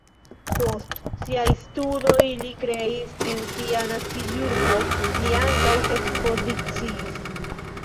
Post siaj studoj li kreis en sia naskiĝurbo, li ankaŭ ekspoziciis.